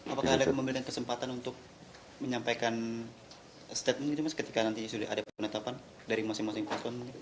apakah anda memberikan kesempatan untuk menyampaikan statement gitu mas ketika nanti sudah ada penetapan dari masing masing paslon